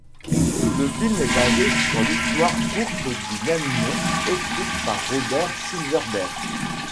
Le film est basé sur l'histoire courte du même nom écrite par Robert Silverberg.